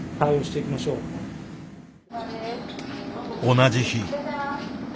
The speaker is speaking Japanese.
同じ日。